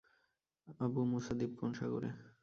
Abu Musa দ্বীপ কোন সাগরে?